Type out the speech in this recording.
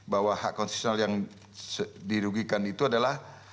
bahwa hak konstitusional yang dirugikan itu adalah